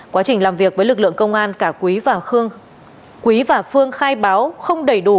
quá trình làm việc với lực lượng công an cả quý và phương khai báo không đầy đủ